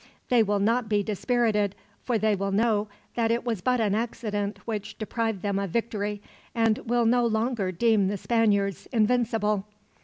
They will not be dispirited, for they will know that it was but an accident which deprived them of victory, and will no longer deem the Spaniards invincible."